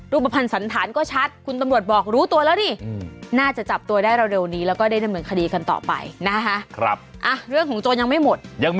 รูปภัณฑ์สันฐานก็ชัดคุณตำรวจบอกรู้ตัวแล้วเนี่ยน่าจะจับตัวได้เร็วนะเรื่องของโจรยังไม่หมด